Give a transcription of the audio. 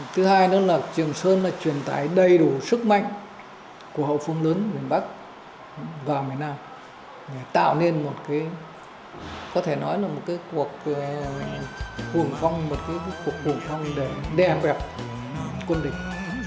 thứ hai nữa là trường sơn là truyền tải đầy đủ sức mạnh của hậu phương lớn miền bắc và miền nam tạo nên một cuộc hủng phong để đeo vẹp quân địch